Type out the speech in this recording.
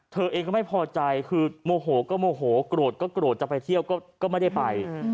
เธอเองก็ไม่พอใจคือโมโหก็โมโหโกรธก็โกรธจะไปเที่ยวก็ไม่ได้ไป